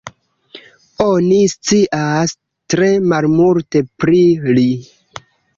Oni scias tre malmulte pri li.